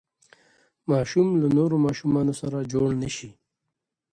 ماشوم له نورو ماشومانو سره جوړ نه شي.